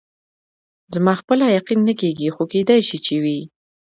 زما خپله یقین نه کېږي، خو کېدای شي چې وي.